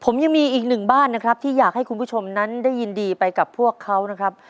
ผมยังมีอีกหนึ่งบ้านนะครับที่อยากให้คุณผู้ชมนั้นได้ยินดีไปกับพวกเขานะครับ